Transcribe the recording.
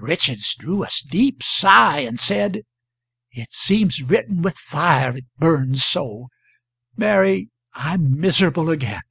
Richards drew a deep sigh, and said: "It seems written with fire it burns so. Mary I am miserable again."